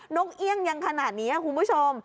นกเอี่ยงยังขนาดนี้คุณผู้ชม